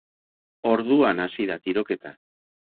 Orduan hasi da tiroketa.